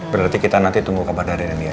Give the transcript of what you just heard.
berarti kita nanti tunggu kabar dari randy aja